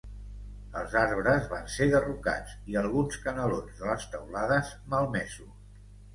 Els arbres van ser derrocats i alguns canalons de les teulades, malmesos.